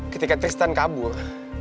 ketika tristan kabur